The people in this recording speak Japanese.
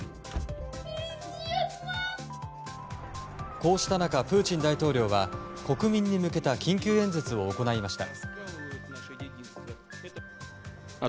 こうした中プーチン大統領は国民に向けた緊急演説を行いました。